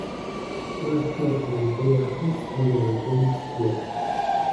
Bu ehtiyot singlisini yaxshi ko'rgani uchunmi? Yo'q.